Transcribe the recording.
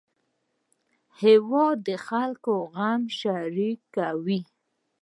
هېواد د خلکو غم شریکوي